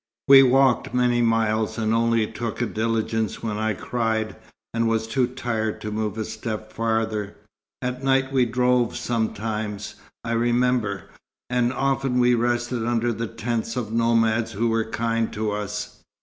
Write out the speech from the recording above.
We walked many miles, and only took a diligence when I cried, and was too tired to move a step farther. At night we drove sometimes, I remember, and often we rested under the tents of nomads who were kind to us.